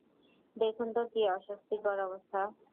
দেখুন তো কী অস্বস্তিকর অবস্থা।